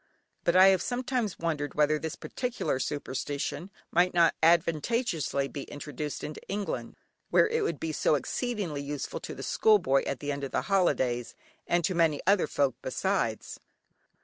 But I have sometimes wondered whether this particular superstition might not advantageously be introduced into England, where it would be so exceedingly useful to the school boy at the end of the holidays, and to many other folk besides.